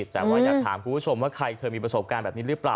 แต่ว่าอยากถามคุณผู้ชมว่าใครเคยมีประสบการณ์แบบนี้หรือเปล่า